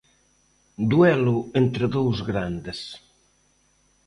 Duelo entre dous grandes.